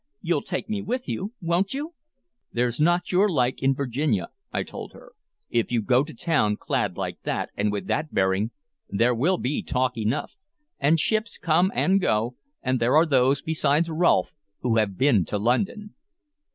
You'll take me with you, won't you?" "There's not your like in Virginia," I told her. "If you go to town clad like that and with that bearing, there will be talk enough. And ships come and go, and there are those besides Rolfe who have been to London."